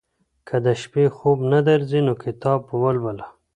که د شپې خوب نه درځي نو کتاب ولوله.